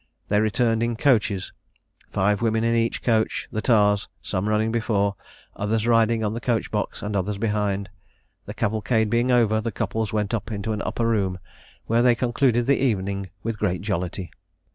They returned in coaches, five women in each coach, the tars, some running before, others riding on the coach box, and others behind. The cavalcade being over, the couples went up into an upper room, where they concluded the evening with great jollity.